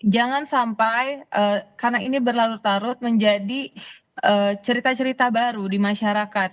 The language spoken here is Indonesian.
jangan sampai karena ini berlarut larut menjadi cerita cerita baru di masyarakat